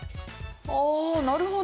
ああなるほど。